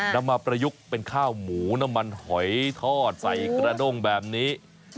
นำมาประยุกต์เป็นข้าวหมูน้ำมันหอยทอดใส่กระด้งแบบนี้